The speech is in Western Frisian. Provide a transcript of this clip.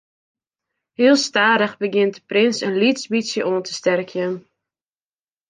Heel stadich begjint de prins in lyts bytsje oan te sterkjen.